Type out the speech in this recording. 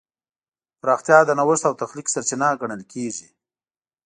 پراختیا د نوښت او تخلیق سرچینه ګڼل کېږي.